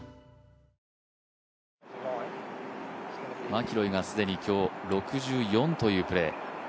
マキロイが既に今日、６４というプレー。